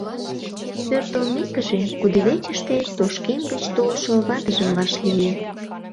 Пӧртылмекыже, кудвечыште тошкем гыч толшо ватыжым вашлие.